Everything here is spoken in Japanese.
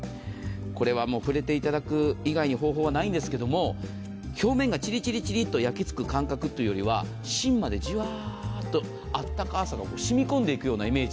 これはもう触れていただく以外に方法がないんですけれども、表面がチリチリと焼きつく感覚というよりは、芯までじわって暖かさが染み込んでいくイメージ。